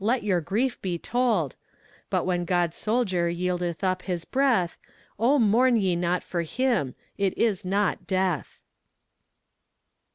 let your grief be told But when God's soldier yieldeth up his breath, O mourn ye not for him! it is not death!